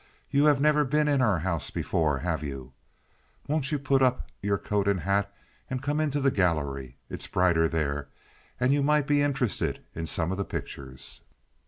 You have never been in our house before, have you? Won't you put up your coat and hat and come into the gallery? It's brighter there, and you might be interested in some of the pictures."